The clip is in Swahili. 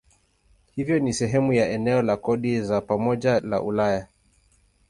Hivyo si sehemu ya eneo la kodi za pamoja la Ulaya.